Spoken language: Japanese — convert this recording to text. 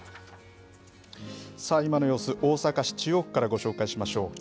さあ、今の様子、大阪市中央区からご紹介しましょう。